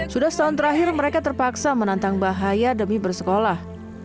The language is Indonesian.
sudah setahun terakhir mereka terpaksa menantang bahaya demi bersekolah